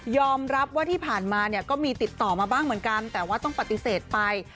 รับว่าที่ผ่านมาเนี่ยก็มีติดต่อมาบ้างเหมือนกันแต่ว่าต้องปฏิเสธไป